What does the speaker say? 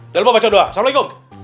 dua dua baca doa assalamualaikum